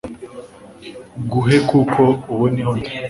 guhe kuko ubu niho ndi